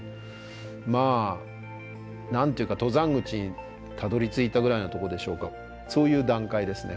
まあ何ていうか登山口にたどりついたぐらいのとこでしょうかそういう段階ですね。